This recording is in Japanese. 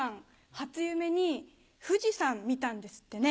初夢に富士山見たんですってね。